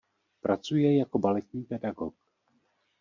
Pracuje jako baletní pedagog.